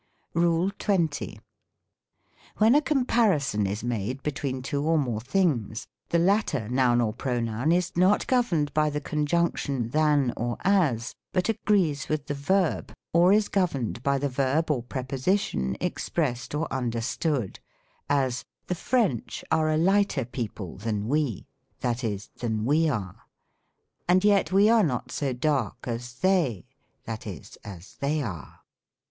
RULE XX. I , When a comparison is made between two or more things, the latter noun or pronoun is not governed by. SYNTAX. 97 the conjunction than or as, but agrees with the verb, or is governed by the verb or preposition, expressed or understood : as, " The Fi'ench ai e a lighter people than we," (that is " than we are,") " and yet we are not so dark as they," that is, "as they are."